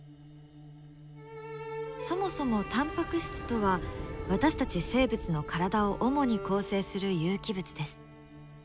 そもそもタンパク質とは私たち生物の体を主に構成する有機物です。